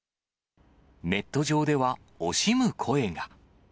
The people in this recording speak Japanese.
ネット上では、惜しむ声が。